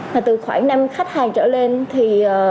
mà từ khoảng năm khách hàng trở lên thì